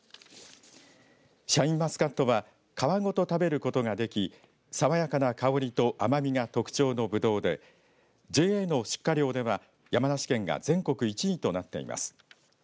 シャインマスカットは皮ごと食べることができ爽やかな香りと甘みが特徴のぶどうでＪＡの出荷量では山梨県が全国１位となっています。